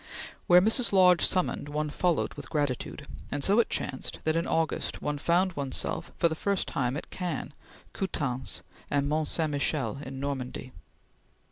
Where Mrs. Lodge summoned, one followed with gratitude, and so it chanced that in August one found one's self for the first time at Caen, Coutances, and Mont Saint Michel in Normandy.